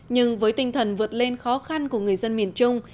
nhưng với tinh thần vượt lên khó khăn của người dân miền trung